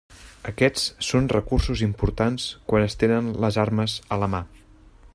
Aquests són recursos importants quan es tenen les armes a la mà.